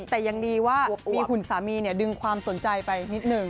แต่ยังดีว่ามีหุ่นสามีดึงความสนใจไปนิดนึง